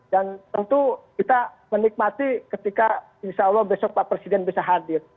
dan tentu kita menikmati ketika insya allah besok pak presiden bisa hadir